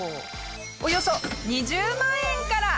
およそ２０万円から。